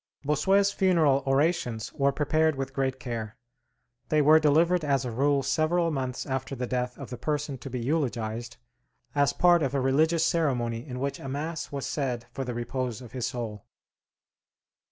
Bossuet's funeral orations were prepared with great care. They were delivered as a rule several months after the death of the person to be eulogized, as part of a religious ceremony in which a mass was said for the repose of his soul.